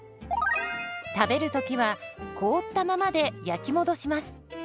食べる時は凍ったままで焼き戻します。